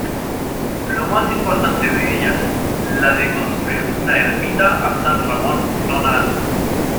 La más importante de ellas, la de construir una ermita a San Ramón Nonato.